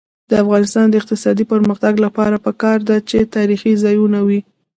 د افغانستان د اقتصادي پرمختګ لپاره پکار ده چې تاریخي ځایونه وي.